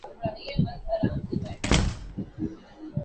اگر کسی کو ان کی ذات سے شکایت ہے۔